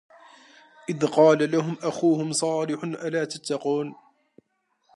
إِذ قالَ لَهُم أَخوهُم صالِحٌ أَلا تَتَّقونَ